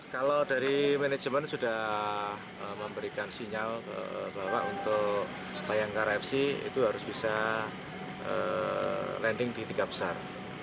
kalau dari manajemen sudah memberikan sinyal bahwa untuk bayangkara fc itu harus bisa landing di tiga besar